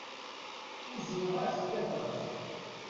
Uzneɣ-as tabrat.